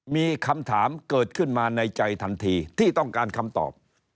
มีคำถามเกิดขึ้นมาในใจทันทีที่ต้องการคำตอบ